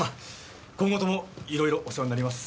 今後ともいろいろお世話になります。